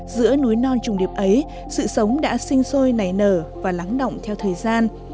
giữa núi non trùng điệp ấy sự sống đã sinh sôi nảy nở và lắng động theo thời gian